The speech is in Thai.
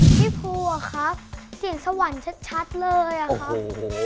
พี่ภูอะครับเสียงสวรรค์ชัดเลยอะครับ